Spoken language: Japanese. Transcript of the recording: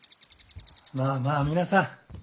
まあまあ皆さん